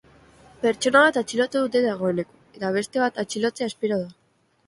Pertsona bat atxilotu dute dagoeneko, eta beste bat atxilotzea espero da.